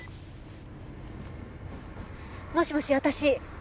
もしもし私。